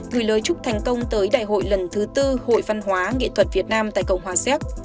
gửi lời chúc thành công tới đại hội lần thứ tư hội văn hóa nghệ thuật việt nam tại cộng hòa xéc